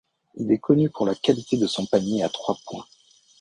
Il est connu pour la qualité de son panier à trois points.